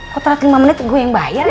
kok telat lima menit gue yang bayar